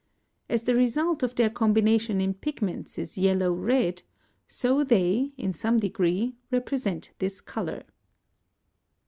As the result of their combination in pigments is yellow red, so they in some degree represent this colour.